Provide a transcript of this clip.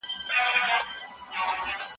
موږ هغه وخت په ډېر لوړ غږ خندل.